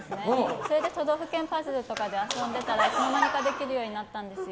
それで都道府県パズルとかで遊んでたらいつの間にかできるようになったんですよ。